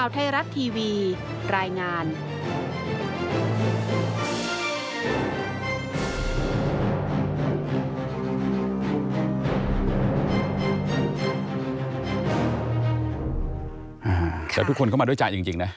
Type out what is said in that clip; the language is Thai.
จากทุกคนเข้ามาด้วยจ่ายจริงนะ